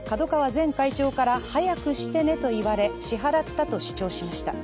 前会長から早くしてねと言われ、支払ったと主張しました。